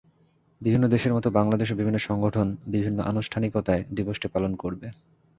বিভিন্ন দেশের মতো বাংলাদেশেও বিভিন্ন সংগঠন বিভিন্ন আনুষ্ঠানিকতায় দিবসটি পালন করবে।